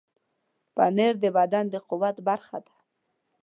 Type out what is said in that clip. پنېر د بدن د قوت برخه ده.